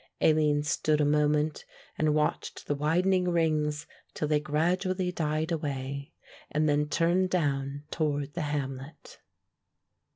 Aline stood a moment and watched the widening rings till they gradually died away, and then turned down toward the hamlet.